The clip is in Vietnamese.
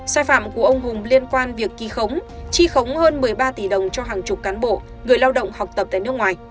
sai phạm của ông hùng liên quan việc ký khống chi khống hơn một mươi ba tỷ đồng cho hàng chục cán bộ người lao động học tập tại nước ngoài